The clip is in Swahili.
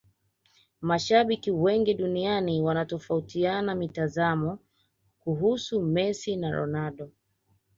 mashabiki wengi duniani wanatofautiana mitazamao kuhusu messi na ronaldo